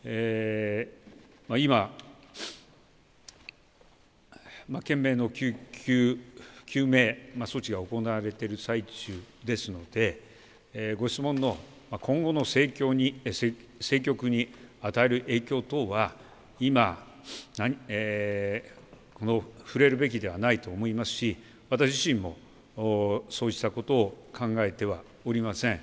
今、懸命の救急救命措置が行われている最中ですのでご質問の、今後の政局に与える影響等は今、触れるべきではないと思いますし、私自身もそうしたことを考えてはおりません。